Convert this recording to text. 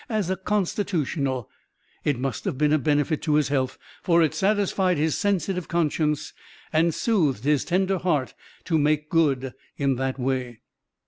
As a "constitutional" it must have been a benefit to his health, for it satisfied his sensitive conscience and soothed his tender heart to "make good" in that way.